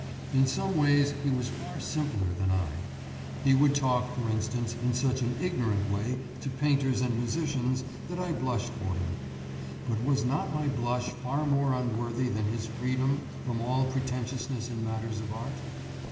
In some ways he was far simpler than I. He would talk, for instance, in such an ignorant way to painters and musicians that I blushed for him. But was not my blush far more unworthy than his freedom from all pretentiousness in matters of art?